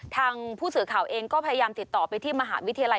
ทางผู้สื่อข่าวเองก็พยายามติดต่อไปที่มหาวิทยาลัย